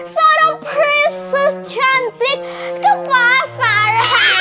suruh prinses cantik ke pasar